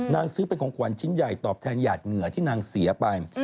ซื้อเป็นของขวัญชิ้นใหญ่ตอบแทนหยาดเหงื่อที่นางเสียไป